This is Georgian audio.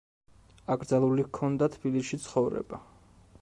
აკრძალული ჰქონდა თბილისში ცხოვრება.